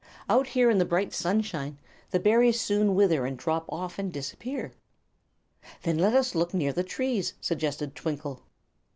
Out here in the bright sunshine the berries soon wither and drop off and disappear." "Then let us look near the trees," suggested Twinkle.